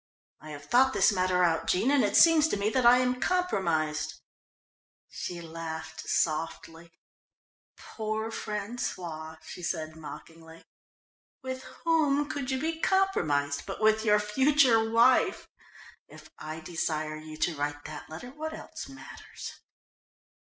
I have thought this matter out, Jean, and it seems to me that I am compromised." She laughed softly. "Poor François," she said mockingly. "With whom could you be compromised but with your future wife? If I desire you to write that letter, what else matters?"